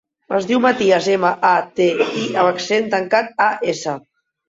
Es diu Matías: ema, a, te, i amb accent tancat, a, essa.